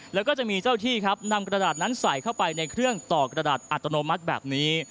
แล้วก็จะมีเจ้าที่ครับนำกระดาษนั้นใส่เข้าไปในเครื่องต่อกระดาษอัตโนมัติแบบนี้